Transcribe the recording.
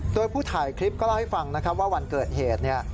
โดยผู้ถ่ายคลิปก็เล่าให้ฟังนะครับว่าวันเกิดเหตุ